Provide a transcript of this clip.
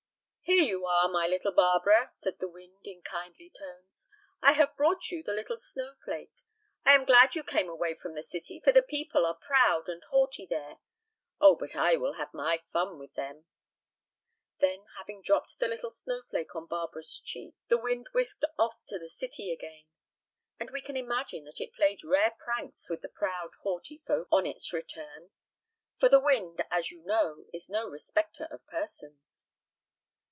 "Here you are, my little Barbara," said the wind, in kindly tones. "I have brought you the little snowflake. I am glad you came away from the city, for the people are proud and haughty there; oh, but I will have my fun with them!" Then, having dropped the little snowflake on Barbara's cheek, the wind whisked off to the city again. And we can imagine that it played rare pranks with the proud, haughty folk on its return; for the wind, as you know, is no respecter of persons.